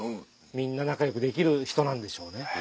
みんな仲良くできる人なんでしょうね。